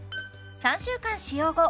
３週間使用後